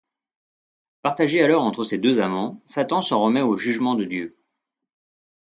Partagé alors entre ses deux amants, Satan s'en remet au jugement de Dieu.